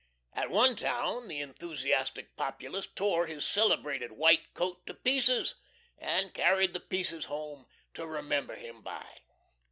At one town the enthusiastic populace tore his celebrated white coat to pieces, and carried the pieces home to remember him by.